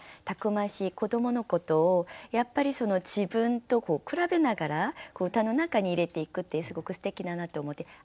たくましい子どものことをやっぱり自分と比べながら歌の中に入れていくってすごくすてきだなと思って。